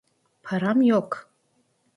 Param yok.